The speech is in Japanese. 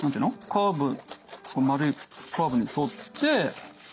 カーブ丸いカーブに沿って。